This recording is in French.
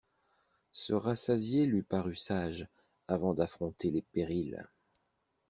Se rassasier lui parut sage avant d'affronter les périls.